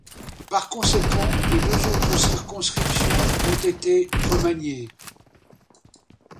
Par conséquent les deux autres circonscriptions ont été remaniées.